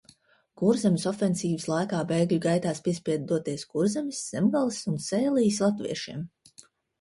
Kurzemes ofensīvas laikā bēgļu gaitās piespieda doties Kurzemes, Zemgales un Sēlijas latviešiem.